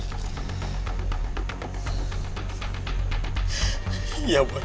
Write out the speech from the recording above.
harus selesai masalahnya